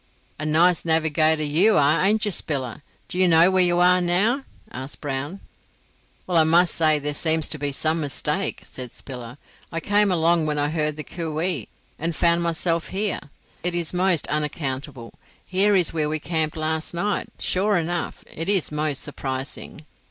"A nice navigator you are, ain't you, Spiller? Do you know where you are now?" asked Brown. "Well, I must say there seems to be some mistake," said Spiller. "I came along when I heard the coo ee, and found myself here. It is most unaccountable. Here is where we camped last night, sure enough. It is most surprising."